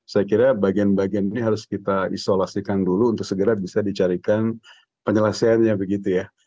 saya kira bagian bagian ini harus kita isolasikan dulu untuk segera bisa dicarikan penjelasannya begitu ya